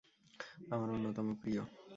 আমার অন্যতম প্রিয়।